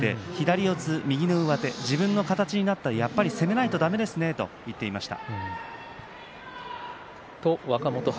左四つ右の上手自分の形になったら攻めないとだめですねと言っていました。